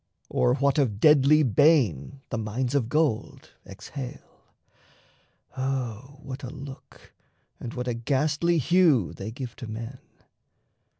Or what of deadly bane The mines of gold exhale? O what a look, And what a ghastly hue they give to men!